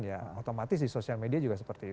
ya otomatis di sosial media juga seperti itu